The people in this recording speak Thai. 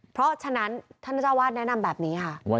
เพราะฉะนั้นท่านเจ้าวาดแนะนำแบบนี้ค่ะ